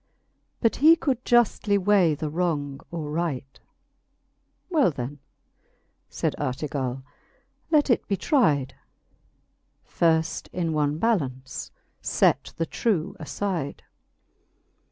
But he could juftly weigh the wrong or right* Well then, fayd Artegall, let it be tride, Firft in one ballaunce iet the true afide.